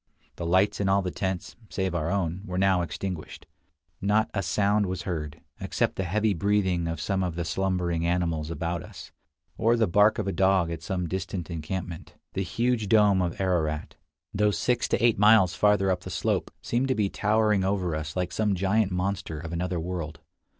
The lights in all the tents, save our own, were now extinguished. Not a sound was heard, except the heavy breathing of some of the slumbering animals about us, or the bark of a dog at some distant encampment. The huge dome of Ararat, though six to eight miles farther up the slope, seemed to be towering over us like some giant monster of another world.